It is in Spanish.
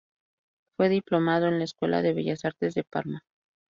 Fue diplomado en la Escuela de Bellas Artes de Parma.